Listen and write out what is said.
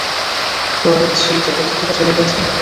Royal সুইটের অতিথিরা চলে গেছে?